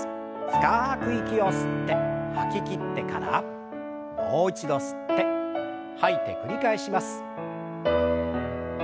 深く息を吸って吐ききってからもう一度吸って吐いて繰り返します。